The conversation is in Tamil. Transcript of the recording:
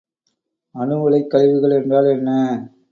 அணு உலைக் கழிவுகள் என்றால் என்ன?